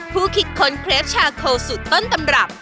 ผู้คิดคนเคลฟชาโคสุดต้นตำรับ